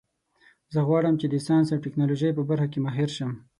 زه غواړم چې د ساینس او ټکنالوژۍ په برخه کې ماهر شم